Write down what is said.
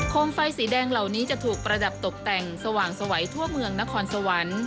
มไฟสีแดงเหล่านี้จะถูกประดับตกแต่งสว่างสวัยทั่วเมืองนครสวรรค์